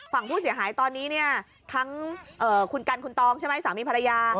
ฝั่งผู้เสียหายตอนนี้เนี่ยทั้งคุณกันคุณตองใช่ไหมสามีภรรยา